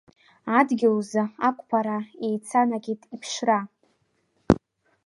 Адгьыл узы ақәԥара еицанакит иԥшра.